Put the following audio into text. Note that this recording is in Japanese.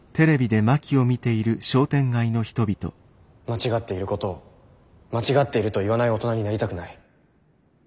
間違っていることを間違っていると言わない大人になりたくない。